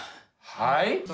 はい？